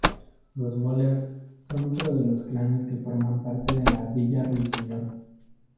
Los Möller son otro de los clanes que forma parte de Villa Ruiseñor.